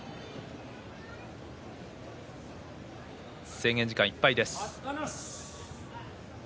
制限時間いっぱいです。